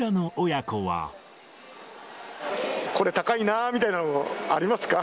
これ、高いなみたいなものありますか？